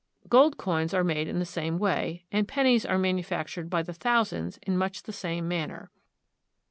Gold coins are made in the same way, and pennies are manufactured by the thousands in much the same manner.